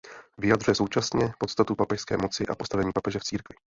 Vyjadřuje současně podstatu papežské moci a postavení papeže v církvi.